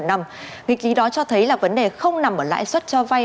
nghị ký đó cho thấy là vấn đề không nằm ở lãi suất cho vay